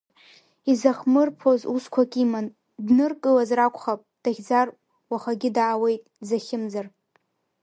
Изахмырԥоз усқәак иман, дныркылазар акәхап, дахьӡар уахагьы даауеит, дзахьымӡар…